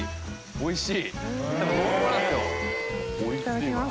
おいしい！